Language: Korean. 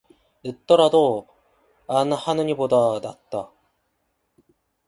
늦더라도 안 하느니보다 낫다